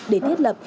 để thiết lập